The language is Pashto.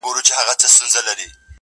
سپین وېښته راته پخوا منزل ښودلی!!